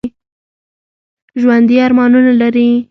ژوندي ارمانونه لري